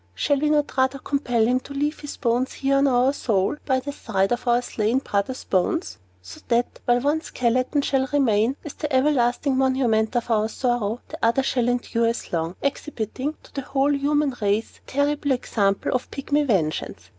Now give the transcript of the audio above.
Shall we not rather compel him to leave his bones here on our soil, by the side of our slain brother's bones? So that, while one skeleton shall remain as the everlasting monument of our sorrow, the other shall endure as long, exhibiting to the whole human race a terrible example of Pygmy vengeance!